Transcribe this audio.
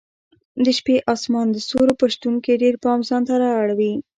د شپې اسمان د ستورو په شتون کې ډېر پام ځانته اړوي.